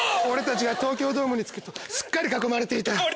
俺たちが東京ドームに着くとすっかり囲まれていた。